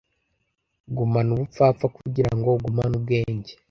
Gumana ubupfapfa kugirango ugumane ubwenge.